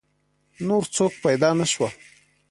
نور څوک پیدا نه شول.